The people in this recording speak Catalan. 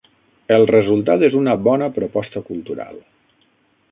El resultat és una bona proposta cultural.